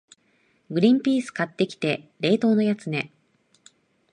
グリンピース買ってきて、冷凍のやつね。